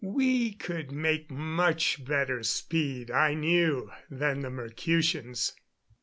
We could make much better speed, I knew, than the Mercutians.